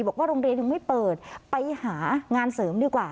โรงเรียนยังไม่เปิดไปหางานเสริมดีกว่า